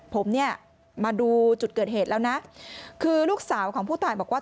ผมเนี่ยมาดูจุดเกิดเหตุแล้วนะคือลูกสาวของผู้ตายบอกว่า